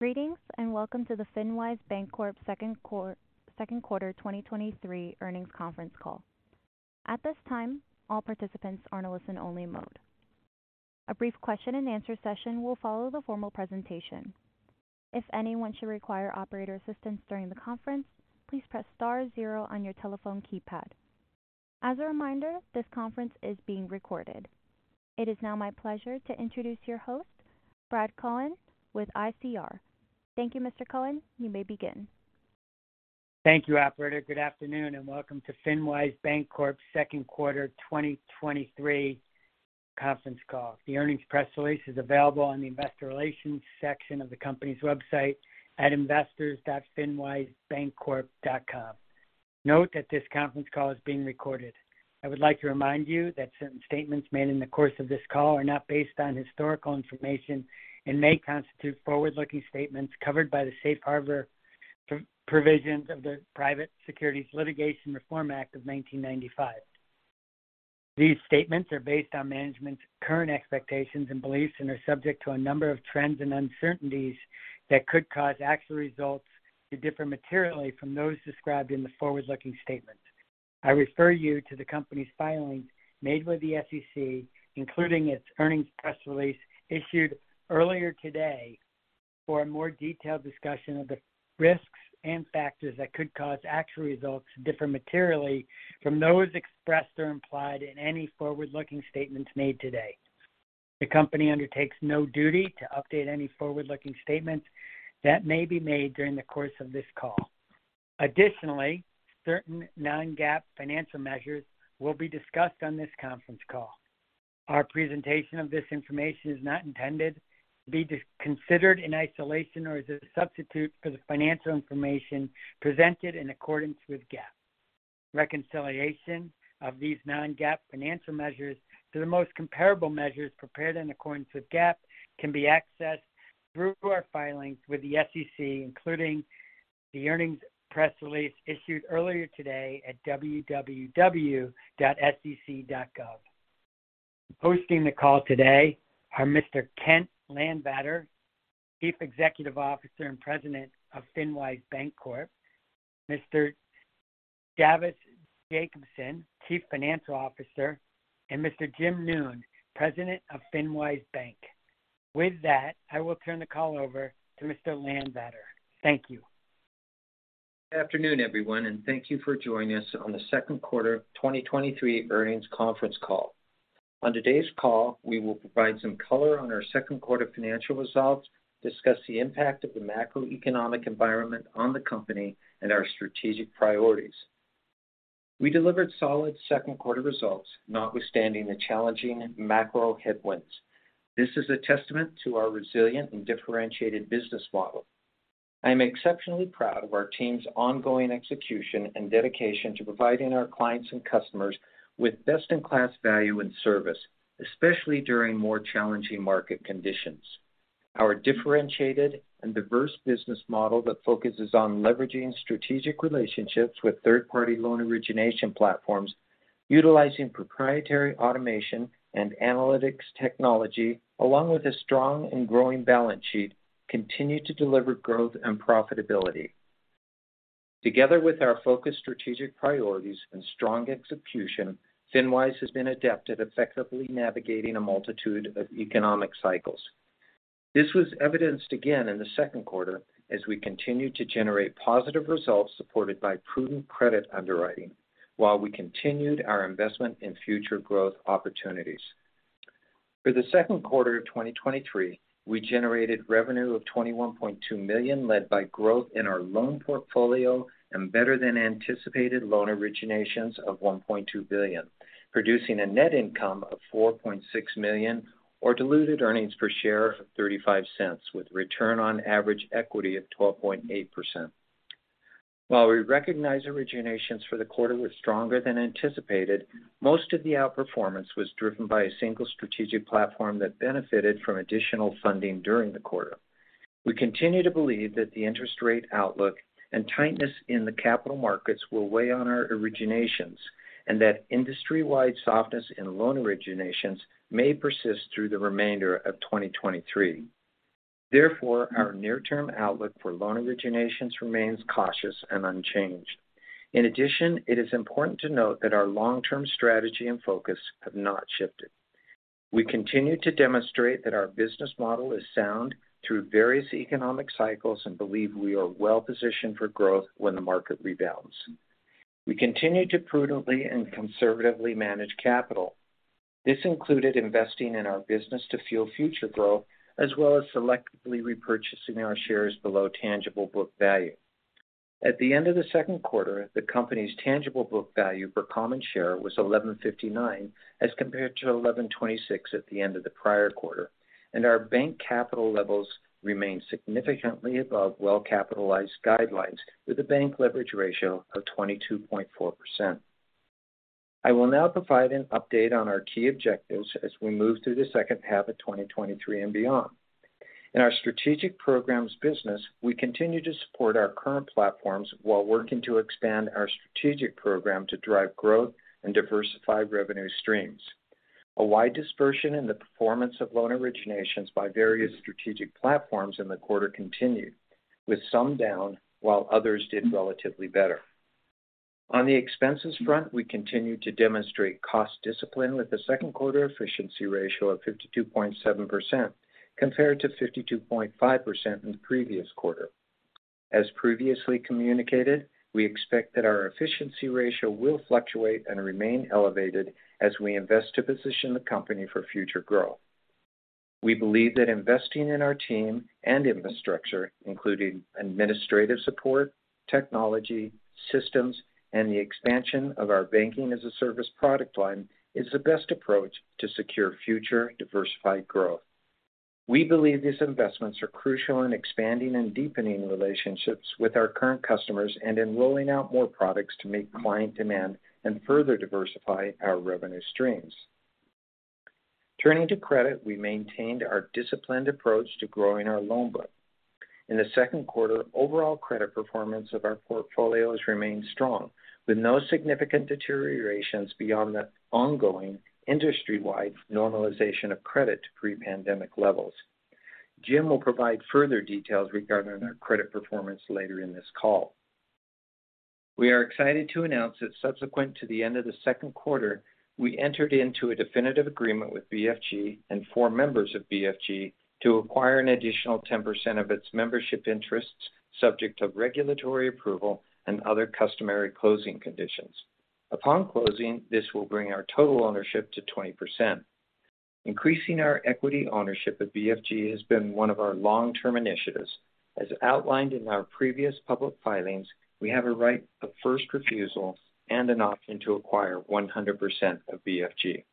Greetings, welcome to the FinWise Bancorp second quarter 2023 earnings conference call. At this time, all participants are in a listen-only mode. A brief question-and-answer session will follow the formal presentation. If anyone should require operator assistance during the conference, please press star zero on your telephone keypad. As a reminder, this conference is being recorded. It is now my pleasure to introduce your host, Brad Cohen, with ICR. Thank you, Mr. Cohen. You may begin. Thank you, operator. Good afternoon, and welcome to FinWise Bancorp's second quarter 2023 conference call. The earnings press release is available on the investor relations section of the company's website at investors.finwisebancorp.com. Note that this conference call is being recorded. I would like to remind you that certain statements made in the course of this call are not based on historical information and may constitute forward-looking statements covered by the Safe Harbor Provisions of the Private Securities Litigation Reform Act of 1995. These statements are based on management's current expectations and beliefs and are subject to a number of trends and uncertainties that could cause actual results to differ materially from those described in the forward-looking statements. I refer you to the company's filings made with the SEC, including its earnings press release issued earlier today, for a more detailed discussion of the risks and factors that could cause actual results to differ materially from those expressed or implied in any forward-looking statements made today. The company undertakes no duty to update any forward-looking statements that may be made during the course of this call. Additionally, certain non-GAAP financial measures will be discussed on this conference call. Our presentation of this information is not intended to be considered in isolation or as a substitute for the financial information presented in accordance with GAAP. Reconciliation of these non-GAAP financial measures to the most comparable measures prepared in accordance with GAAP can be accessed through our filings with the SEC, including the earnings press release issued earlier today at www.sec.gov. Hosting the call today are Mr. Kent Landvatter, Chief Executive Officer and President of FinWise Bancorp, Mr. Javvis Jacobson, Chief Financial Officer, and Mr. Jim Noone, President of FinWise Bank. With that, I will turn the call over to Mr. Landvatter. Thank you. Good afternoon, everyone, thank you for joining us on the second quarter of 2023 earnings conference call. On today's call, we will provide some color on our second quarter financial results, discuss the impact of the macroeconomic environment on the company and our strategic priorities. We delivered solid second-quarter results, notwithstanding the challenging macro headwinds. This is a testament to our resilient and differentiated business model. I'm exceptionally proud of our team's ongoing execution and dedication to providing our clients and customers with best-in-class value and service, especially during more challenging market conditions. Our differentiated and diverse business model that focuses on leveraging strategic relationships with third-party loan origination platforms, utilizing proprietary automation and analytics technology, along with a strong and growing balance sheet, continue to deliver growth and profitability. Together with our focused strategic priorities and strong execution, FinWise has been adept at effectively navigating a multitude of economic cycles. This was evidenced again in the second quarter as we continued to generate positive results supported by prudent credit underwriting, while we continued our investment in future growth opportunities. For the second quarter of 2023, we generated revenue of $21.2 million, led by growth in our loan portfolio and better than anticipated loan originations of $1.2 billion, producing a net income of $4.6 million or diluted earnings per share of $0.35, with return on average equity of 12.8%. While we recognize originations for the quarter were stronger than anticipated, most of the outperformance was driven by a single strategic platform that benefited from additional funding during the quarter. We continue to believe that the interest rate outlook and tightness in the capital markets will weigh on our originations and that industry-wide softness in loan originations may persist through the remainder of 2023. Therefore, our near-term outlook for loan originations remains cautious and unchanged. In addition, it is important to note that our long-term strategy and focus have not shifted. We continue to demonstrate that our business model is sound through various economic cycles and believe we are well positioned for growth when the market rebounds. We continue to prudently and conservatively manage capital. This included investing in our business to fuel future growth, as well as selectively repurchasing our shares below tangible book value. At the end of the second quarter, the company's tangible book value per common share was $11.59, as compared to $11.26 at the end of the prior quarter, and our bank capital levels remain significantly above well-capitalized guidelines, with a bank leverage ratio of 22.4%. I will now provide an update on our key objectives as we move through the second half of 2023 and beyond. In our strategic programs business, we continue to support our current platforms while working to expand our strategic program to drive growth and diversify revenue streams.... A wide dispersion in the performance of loan originations by various strategic platforms in the quarter continued, with some down while others did relatively better. On the expenses front, we continued to demonstrate cost discipline, with a second quarter efficiency ratio of 52.7%, compared to 52.5% in the previous quarter. As previously communicated, we expect that our efficiency ratio will fluctuate and remain elevated as we invest to position the company for future growth. We believe that investing in our team and infrastructure, including administrative support, technology, systems, and the expansion of our banking-as-a-service product line, is the best approach to secure future diversified growth. We believe these investments are crucial in expanding and deepening relationships with our current customers and in rolling out more products to meet client demand and further diversify our revenue streams. Turning to credit, we maintained our disciplined approach to growing our loan book. In the second quarter, overall credit performance of our portfolios remained strong, with no significant deteriorations beyond the ongoing industry-wide normalization of credit to pre-pandemic levels. Jim Noone will provide further details regarding our credit performance later in this call. We are excited to announce that subsequent to the end of the second quarter, we entered into a definitive agreement with BFG and four members of BFG to acquire an additional 10% of its membership interests, subject to regulatory approval and other customary closing conditions. Upon closing, this will bring our total ownership to 20%. Increasing our equity ownership of BFG has been one of our long-term initiatives. As outlined in our previous public filings, we have a right of first refusal and an option to acquire 100% of BFG.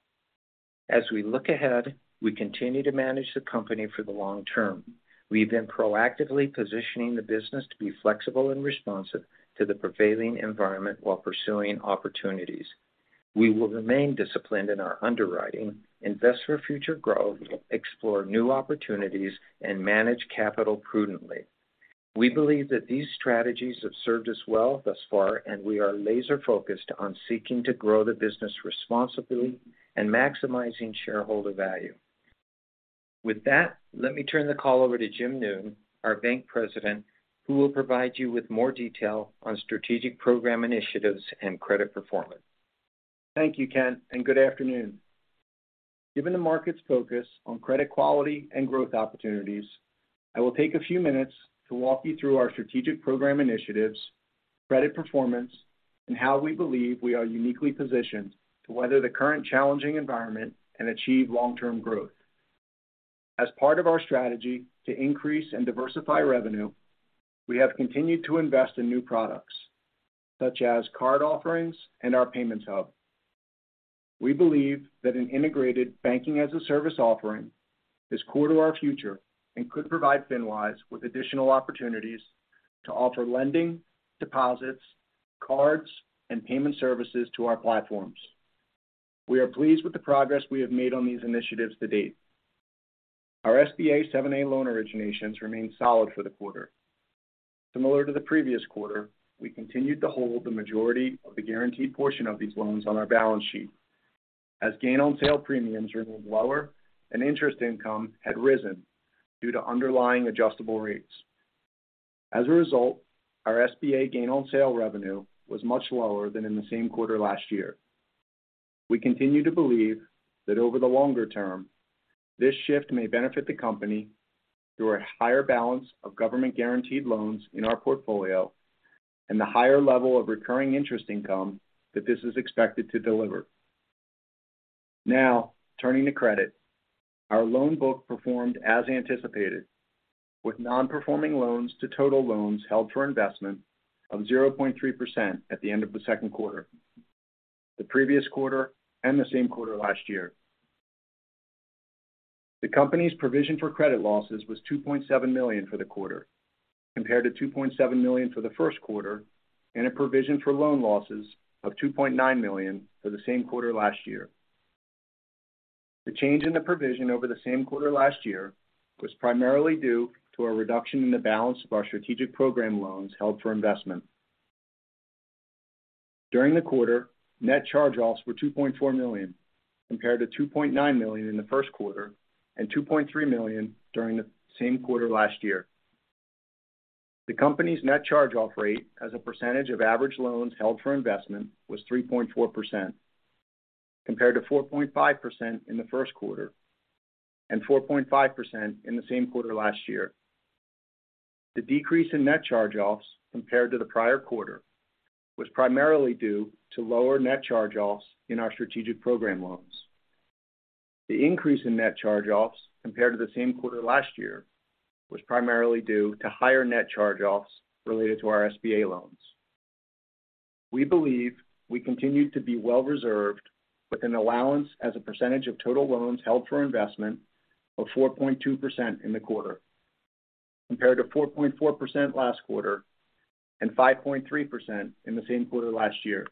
As we look ahead, we continue to manage the company for the long term. We've been proactively positioning the business to be flexible and responsive to the prevailing environment while pursuing opportunities. We will remain disciplined in our underwriting, invest for future growth, explore new opportunities, and manage capital prudently. We believe that these strategies have served us well thus far, and we are laser-focused on seeking to grow the business responsibly and maximizing shareholder value. With that, let me turn the call over to Jim Noone, our Bank President, who will provide you with more detail on strategic program initiatives and credit performance. Thank you, Kent. Good afternoon. Given the market's focus on credit quality and growth opportunities, I will take a few minutes to walk you through our strategic program initiatives, credit performance, and how we believe we are uniquely positioned to weather the current challenging environment and achieve long-term growth. As part of our strategy to increase and diversify revenue, we have continued to invest in new products, such as card offerings and our payments hub. We believe that an integrated banking-as-a-service offering is core to our future and could provide FinWise with additional opportunities to offer lending, deposits, cards, and payment services to our platforms. We are pleased with the progress we have made on these initiatives to date. Our SBA 7(a) loan originations remained solid for the quarter. Similar to the previous quarter, we continued to hold the majority of the guaranteed portion of these loans on our balance sheet. As gain-on-sale premiums remained lower and interest income had risen due to underlying adjustable rates. As a result, our SBA gain-on-sale revenue was much lower than in the same quarter last year. We continue to believe that over the longer term, this shift may benefit the company through a higher balance of government-guaranteed loans in our portfolio and the higher level of recurring interest income that this is expected to deliver. Now, turning to credit. Our loan book performed as anticipated, with nonperforming loans to total loans held for investment of 0.3% at the end of the second quarter, the previous quarter, and the same quarter last year. The company's provision for credit losses was $2.7 million for the quarter, compared to $2.7 million for the first quarter, and a provision for loan losses of $2.9 million for the same quarter last year. The change in the provision over the same quarter last year was primarily due to a reduction in the balance of our strategic program loans held for investment. During the quarter, net charge-offs were $2.4 million, compared to $2.9 million in the first quarter and $2.3 million during the same quarter last year. The company's net charge-off rate as a percentage of average loans held for investment was 3.4%, compared to 4.5% in the first quarter and 4.5% in the same quarter last year. The decrease in net charge-offs compared to the prior quarter was primarily due to lower net charge-offs in our strategic program loans. The increase in net charge-offs compared to the same quarter last year was primarily due to higher net charge-offs related to our SBA loans. We believe we continue to be well reserved with an allowance as a percentage of total loans held for investment of 4.2% in the quarter, compared to 4.4% last quarter and 5.3% in the same quarter last year.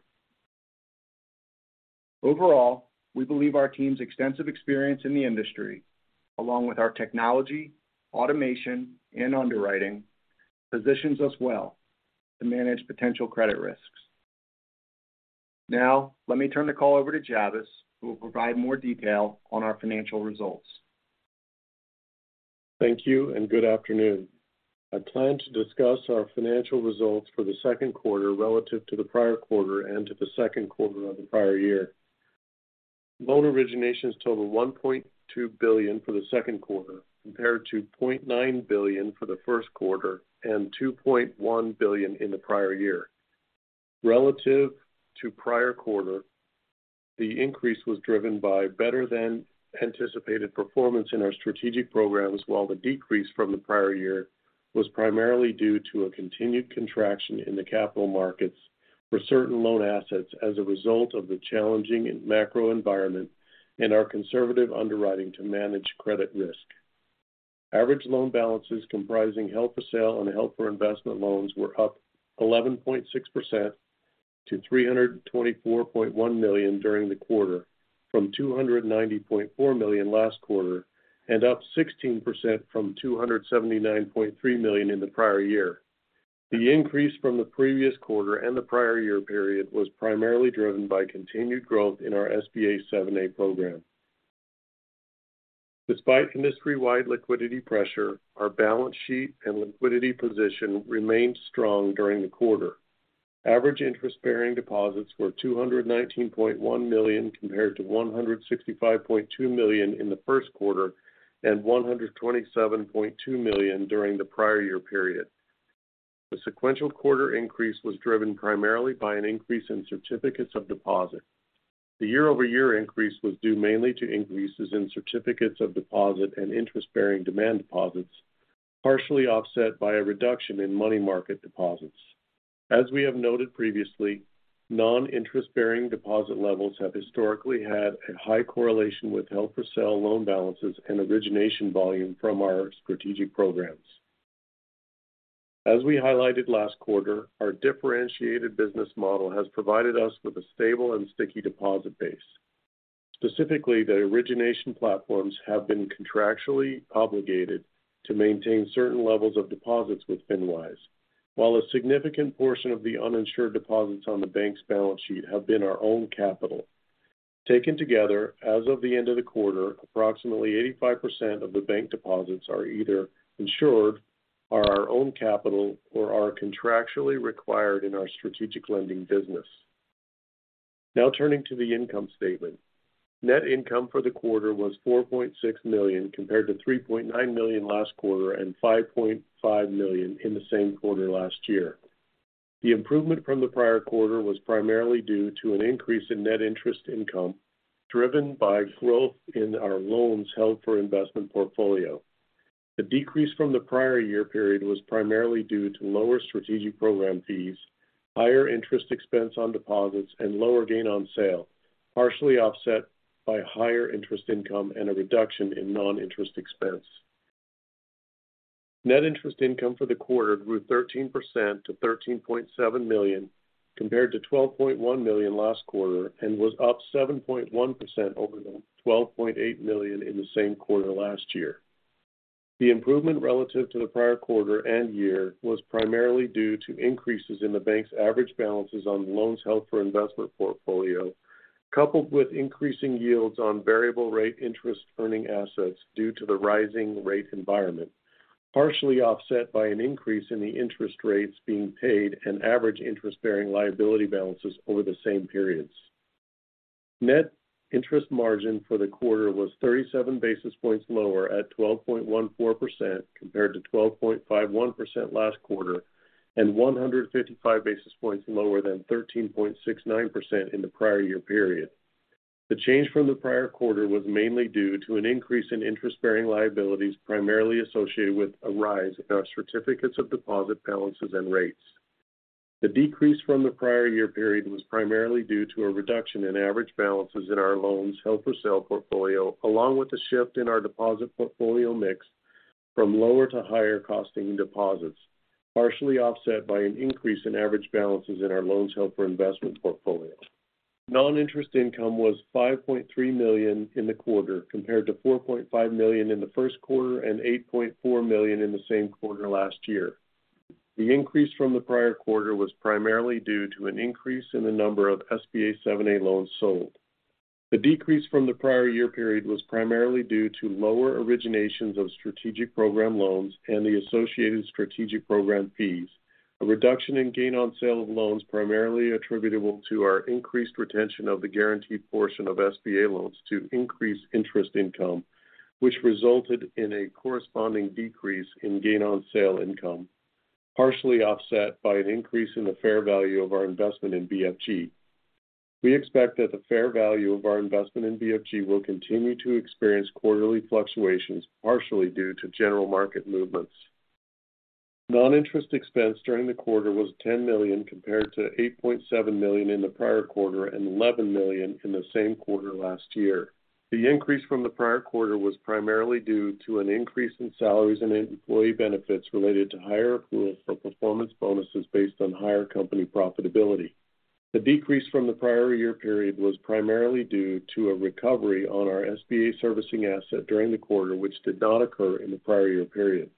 Overall, we believe our team's extensive experience in the industry, along with our technology, automation, and underwriting positions us well to manage potential credit risks. Let me turn the call over to Javvis, who will provide more detail on our financial results. Thank you, and good afternoon. I plan to discuss our financial results for the second quarter relative to the prior quarter and to the second quarter of the prior year. Loan originations totaled $1.2 billion for the second quarter, compared to $0.9 billion for the first quarter and $2.1 billion in the prior year. Relative to prior quarter, the increase was driven by better-than-anticipated performance in our strategic programs, while the decrease from the prior year was primarily due to a continued contraction in the capital markets for certain loan assets as a result of the challenging macro environment and our conservative underwriting to manage credit risk. Average loan balances comprising held-for-sale and held-for-investment loans were up 11.6% to $324.1 million during the quarter, from $290.4 million last quarter, and up 16% from $279.3 million in the prior year. The increase from the previous quarter and the prior year period was primarily driven by continued growth in our SBA 7(a) program. Despite industry-wide liquidity pressure, our balance sheet and liquidity position remained strong during the quarter. Average interest-bearing deposits were $219.1 million, compared to $165.2 million in the first quarter and $127.2 million during the prior year period. The sequential quarter increase was driven primarily by an increase in certificates of deposit. The year-over-year increase was due mainly to increases in certificates of deposit and interest-bearing demand deposits, partially offset by a reduction in money market deposits. As we have noted previously, non-interest-bearing deposit levels have historically had a high correlation with held-for-sale loan balances and origination volume from our strategic programs. As we highlighted last quarter, our differentiated business model has provided us with a stable and sticky deposit base. Specifically, the origination platforms have been contractually obligated to maintain certain levels of deposits with FinWise, while a significant portion of the uninsured deposits on the bank's balance sheet have been our own capital. Taken together, as of the end of the quarter, approximately 85% of the bank deposits are either insured, are our own capital, or are contractually required in our strategic lending business. Now turning to the income statement. Net income for the quarter was $4.6 million, compared to $3.9 million last quarter and $5.5 million in the same quarter last year. The improvement from the prior quarter was primarily due to an increase in net interest income, driven by growth in our loans held for investment portfolio. The decrease from the prior year period was primarily due to lower strategic program fees, higher interest expense on deposits, and lower gain on sale, partially offset by higher interest income and a reduction in non-interest expense. Net interest income for the quarter grew 13% to $13.7 million, compared to $12.1 million last quarter, and was up 7.1% over the $12.8 million in the same quarter last year. The improvement relative to the prior quarter and year was primarily due to increases in the bank's average balances on loans held for investment portfolio, coupled with increasing yields on variable rate interest-earning assets due to the rising rate environment, partially offset by an increase in the interest rates being paid and average interest-bearing liability balances over the same periods. Net interest margin for the quarter was 37 basis points lower at 12.14%, compared to 12.51% last quarter, and 155 basis points lower than 13.69% in the prior year period. The change from the prior quarter was mainly due to an increase in interest-bearing liabilities, primarily associated with a rise in our certificates of deposit balances and rates. The decrease from the prior year period was primarily due to a reduction in average balances in our loans held-for-sale portfolio, along with a shift in our deposit portfolio mix from lower to higher costing deposits, partially offset by an increase in average balances in our loans held for investment portfolio. Non-interest income was $5.3 million in the quarter, compared to $4.5 million in the first quarter and $8.4 million in the same quarter last year. The increase from the prior quarter was primarily due to an increase in the number of SBA 7(a) loans sold. The decrease from the prior year period was primarily due to lower originations of strategic program loans and the associated strategic program fees. A reduction in gain-on-sale of loans, primarily attributable to our increased retention of the guaranteed portion of SBA loans to increase interest income, which resulted in a corresponding decrease in gain-on-sale income, partially offset by an increase in the fair value of our investment in BFG. We expect that the fair value of our investment in BFG will continue to experience quarterly fluctuations, partially due to general market movements. Non-interest expense during the quarter was $10 million, compared to $8.7 million in the prior quarter and $11 million in the same quarter last year. The increase from the prior quarter was primarily due to an increase in salaries and employee benefits related to higher accrual for performance bonuses based on higher company profitability. The decrease from the prior year period was primarily due to a recovery on our SBA servicing asset during the quarter, which did not occur in the prior year period.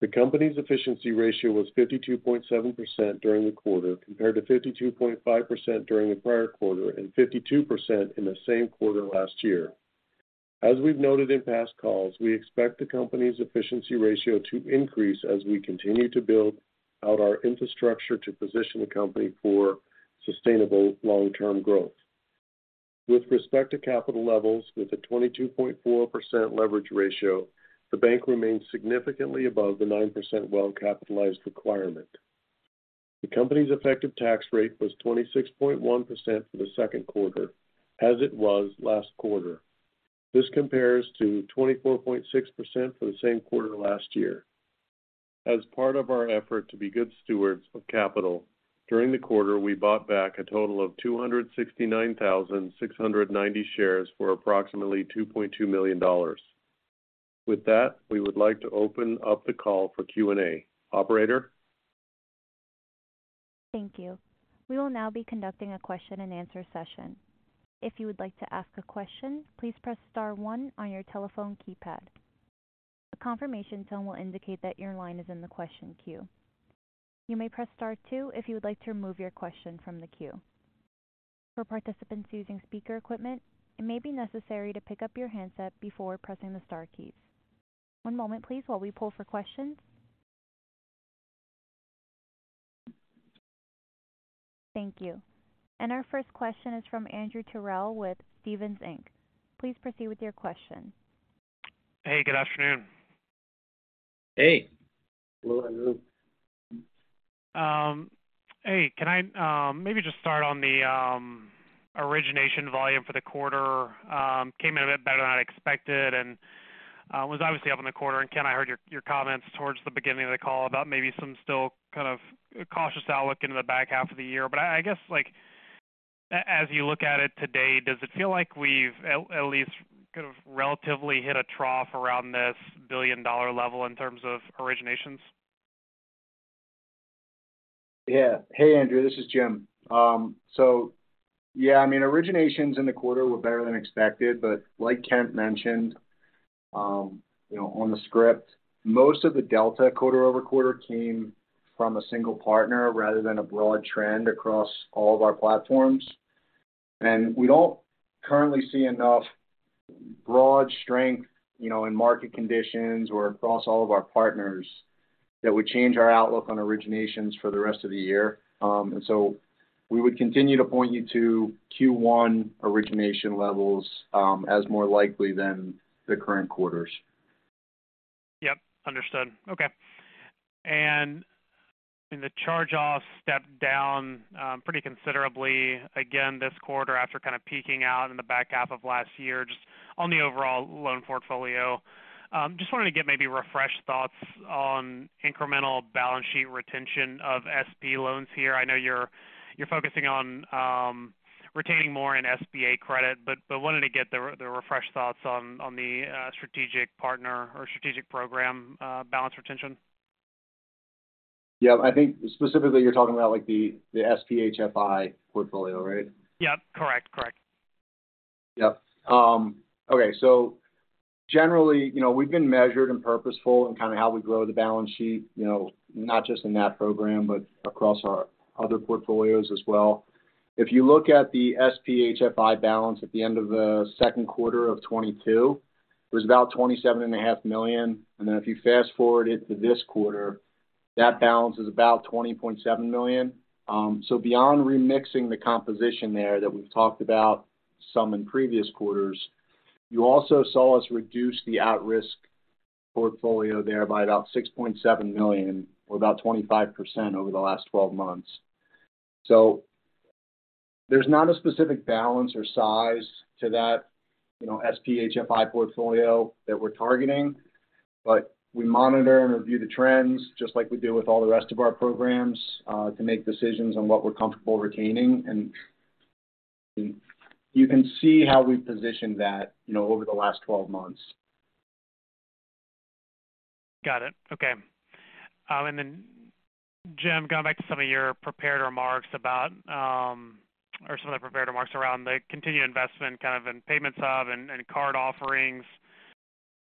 The company's efficiency ratio was 52.7% during the quarter, compared to 52.5% during the prior quarter and 52% in the same quarter last year. As we've noted in past calls, we expect the company's efficiency ratio to increase as we continue to build out our infrastructure to position the company for sustainable long-term growth. With respect to capital levels, with a 22.4% leverage ratio, the bank remains significantly above the 9% well-capitalized requirement. The company's effective tax rate was 26.1% for the second quarter, as it was last quarter. This compares to 24.6% for the same quarter last year. As part of our effort to be good stewards of capital, during the quarter, we bought back a total of 269,690 shares for approximately $2.2 million. With that, we would like to open up the call for Q&A. Operator? Thank you. We will now be conducting a question-and-answer session. If you would like to ask a question, please press star one on your telephone keypad. A confirmation tone will indicate that your line is in the question queue. You may press star two if you would like to remove your question from the queue. For participants using speaker equipment, it may be necessary to pick up your handset before pressing the star keys. one moment, please, while we pull for questions. Thank you. Our first question is from Andrew Terrell with Stephens Inc. Please proceed with your question. Hey, good afternoon. Hey. Hello, Andrew. Hey, can I, maybe just start on the origination volume for the quarter, came in a bit better than I expected and was obviously up in the quarter. Kent, I heard your comments towards the beginning of the call about maybe some still kind of cautious outlook into the back half of the year. I, I guess, like, as you look at it today, does it feel like we've at, at least kind of relatively hit a trough around this billion-dollar level in terms of originations? Yeah. Hey, Andrew, this is Jim. Yeah, I mean, originations in the quarter were better than expected, but like Kent mentioned, you know, on the script, most of the delta quarter-over-quarter came from a single partner rather than a broad trend across all of our platforms. We don't currently see enough broad strength, you know, in market conditions or across all of our partners, that would change our outlook on originations for the rest of the year. We would continue to point you to Q1 origination levels as more likely than the current quarters. Yep. Understood. Okay. The charge-offs stepped down, pretty considerably, again, this quarter, after kind of peaking out in the back half of last year, just on the overall loan portfolio. Just wanted to get maybe refresh thoughts on incremental balance sheet retention of SP loans here. I know you're, you're focusing on, retaining more in SBA credit, but wanted to get the refresh thoughts on, on the strategic partner or strategic program, balance retention. Yeah. I think specifically, you're talking about, like, the, the SPHFI portfolio, right? Yep. Correct. Correct. Yep. Okay, generally, you know, we've been measured and purposeful in kind of how we grow the balance sheet, you know, not just in that program, but across our other portfolios as well. If you look at the SPHFI balance at the end of the second quarter of 2022, it was about $27.5 million, and then if you fast-forward it to this quarter, that balance is about $20.7 million. Beyond remixing the composition there that we've talked about some in previous quarters, you also saw us reduce the at-risk portfolio there by about $6.7 million, or about 25% over the last 12 months. There's not a specific balance or size to that, you know, SPHFI portfolio that we're targeting, but we monitor and review the trends just like we do with all the rest of our programs to make decisions on what we're comfortable retaining. You can see how we've positioned that, you know, over the last 12 months. Got it. Okay. Jim, going back to some of your prepared remarks about, or some of the prepared remarks around the continued investment kind of in payments hub and, and card offerings.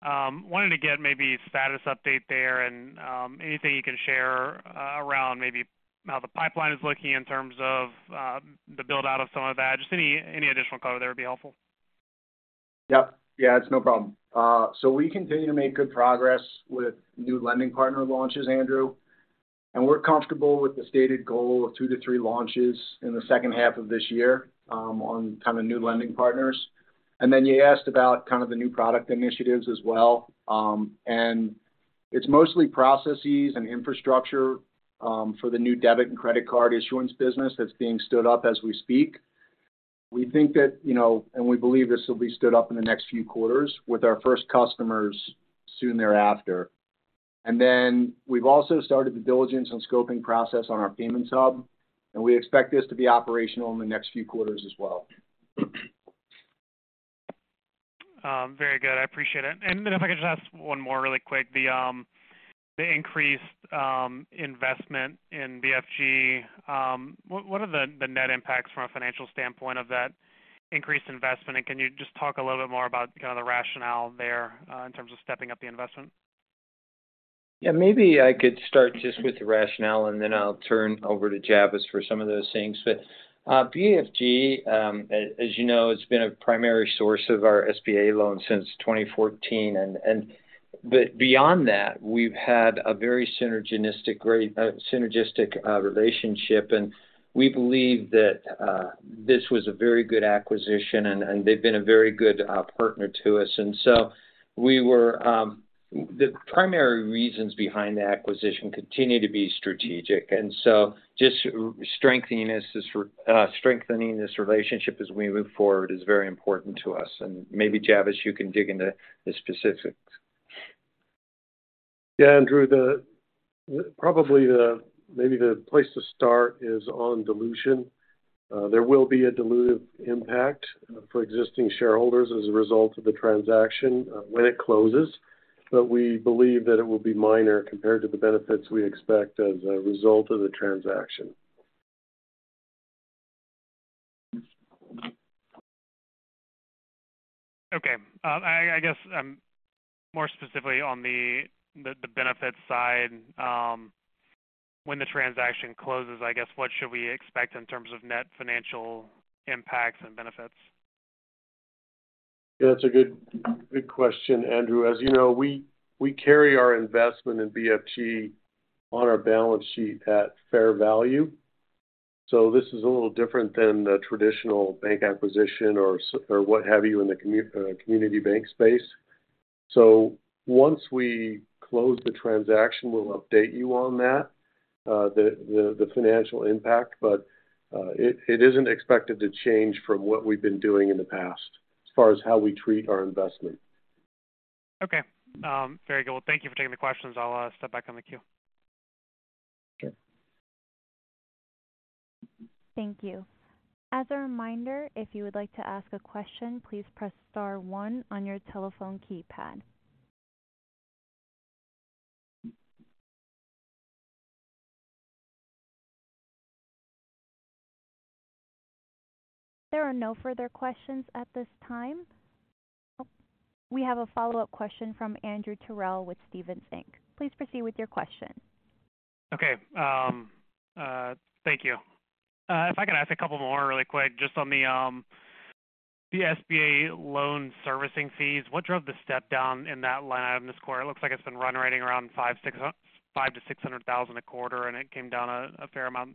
Wanted to get maybe a status update there and anything you can share, around maybe how the pipeline is looking in terms of, the build-out of some of that. Just any, any additional color there would be helpful. Yep. Yeah, it's no problem. We continue to make good progress with new lending partner launches, Andrew, and we're comfortable with the stated goal of two-three launches in the second half of this year, on kind of new lending partners. You asked about kind of the new product initiatives as well. It's mostly processes and infrastructure, for the new debit and credit card issuance business that's being stood up as we speak. We think that, and we believe this will be stood up in the next few quarters with our first customers soon thereafter. We've also started the diligence and scoping process on our payments hub, and we expect this to be operational in the next few quarters as well.... very good. I appreciate it. Then if I could just ask one more really quick. The increased investment in BFG, what, what are the net impacts from a financial standpoint of that increased investment? Can you just talk a little bit more about, kind of, the rationale there, in terms of stepping up the investment? Yeah, maybe I could start just with the rationale, and then I'll turn over to Javvis for some of those things. BFG, as you know, has been a primary source of our SBA loans since 2014. Beyond that, we've had a very synergistic relationship, and we believe that this was a very good acquisition, and they've been a very good partner to us. The primary reasons behind the acquisition continue to be strategic, and so just strengthening this relationship as we move forward is very important to us. Maybe, Javvis, you can dig into the specifics. Yeah, Andrew, the, probably the, maybe the place to start is on dilution. There will be a dilutive impact for existing shareholders as a result of the transaction, when it closes, but we believe that it will be minor compared to the benefits we expect as a result of the transaction. Okay. I, I guess, more specifically on the, the, the benefits side, when the transaction closes, I guess, what should we expect in terms of net financial impacts and benefits? Yeah, that's a good, good question, Andrew. This is a little different than the traditional bank acquisition or what have you in the community bank space. Once we close the transaction, we'll update you on that, the financial impact. It isn't expected to change from what we've been doing in the past as far as how we treat our investment. Okay. Very good. Well, thank you for taking the questions. I'll step back on the queue. Sure. Thank you. As a reminder, if you would like to ask a question, please press star one on your telephone keypad. There are no further questions at this time. We have a follow-up question from Andrew Terrell with Stephens Inc. Please proceed with your question. Okay, thank you. If I could ask a couple more really quick, just on the SBA loan servicing fees. What drove the step down in that line item this quarter? It looks like it's been run rating around $500,000-$600,000 a quarter, and it came down a fair amount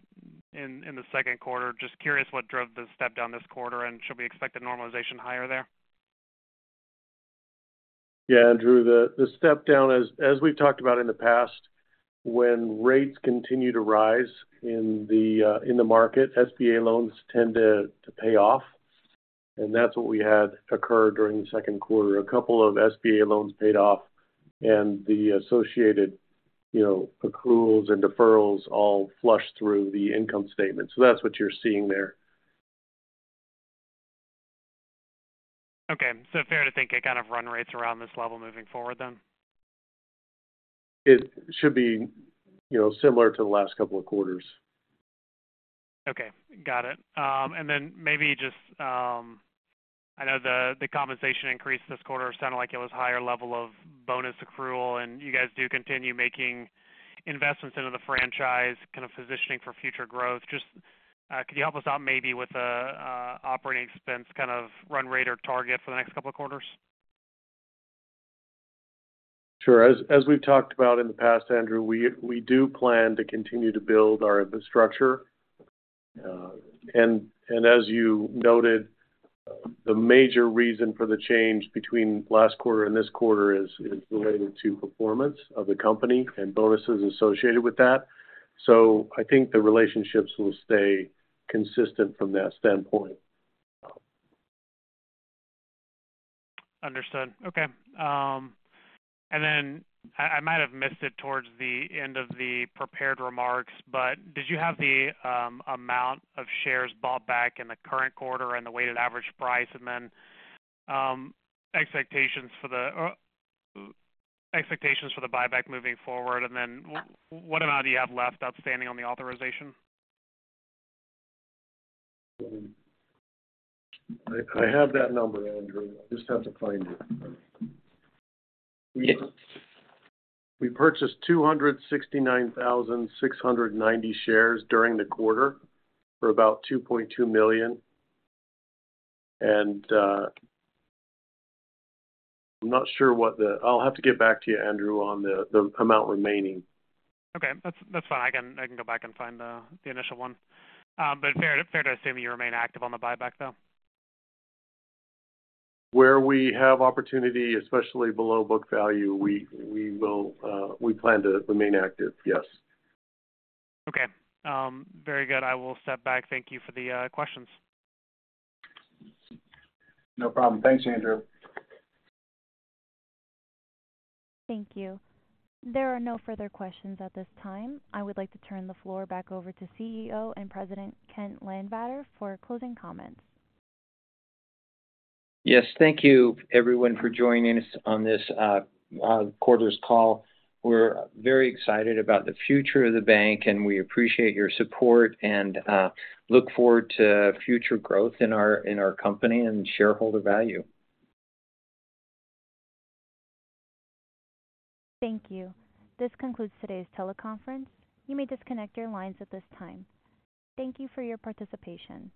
in the second quarter. Just curious, what drove the step down this quarter, and should we expect a normalization higher there? Yeah, Andrew, the step down as we've talked about in the past, when rates continue to rise in the market, SBA loans tend to pay off, and that's what we had occurred during the second quarter. A couple of SBA loans paid off, and the associated, you know, accruals and deferrals all flushed through the income statement. That's what you're seeing there. Okay. fair to think it kind of run rates around this level moving forward then? It should be, you know, similar to the last couple of quarters. Okay, got it. Maybe just, I know the, the compensation increase this quarter sounded like it was higher level of bonus accrual, and you guys do continue making investments into the franchise, kind of positioning for future growth. Just, could you help us out maybe with a, a operating expense kind of run rate or target for the next couple of quarters? Sure. As, as we've talked about in the past, Andrew, we, we do plan to continue to build our infrastructure. As you noted, the major reason for the change between last quarter and this quarter is, is related to performance of the company and bonuses associated with that. I think the relationships will stay consistent from that standpoint. Understood. Okay. I, I might have missed it towards the end of the prepared remarks, but did you have the amount of shares bought back in the current quarter and the weighted average price? Expectations for the expectations for the buyback moving forward, and then what amount do you have left outstanding on the authorization? I have that number, Andrew. I just have to find it. We purchased 269,690 shares during the quarter for about $2.2 million. I'm not sure what I'll have to get back to you, Andrew, on the amount remaining. Okay. That's, that's fine. I can, I can go back and find the, the initial one. Fair, fair to assume you remain active on the buyback, though? Where we have opportunity, especially below book value, we, we will, we plan to remain active. Yes. Okay. Very good. I will step back. Thank you for the questions. No problem. Thanks, Andrew. Thank you. There are no further questions at this time. I would like to turn the floor back over to CEO and President, Kent Landvatter, for closing comments. Yes. Thank you, everyone, for joining us on this quarters call. We're very excited about the future of the bank, we appreciate your support and look forward to future growth in our company and shareholder value. Thank you. This concludes today's teleconference. You may disconnect your lines at this time. Thank you for your participation.